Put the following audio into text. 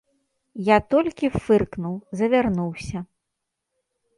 Я толькі фыркнуў, завярнуўся.